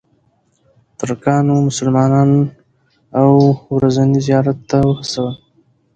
ترکانو مسلمانان اوو ورځني زیارت ته وهڅول.